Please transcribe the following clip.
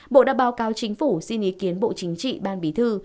bộ đã báo cáo chính phủ xin ý kiến bộ chính trị ban bí thư